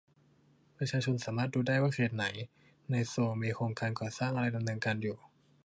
ประชาชนสามารถดูได้ว่าเขตไหนในโซลมีโครงการก่อสร้างอะไรดำเนินการอยู่